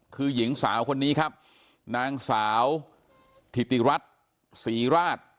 คือหญิงสาวคนนี้ครับนางสาวถิติรัฐศรีราช